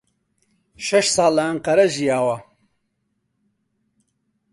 شەش ساڵ لە ئەنقەرە ژیاوە.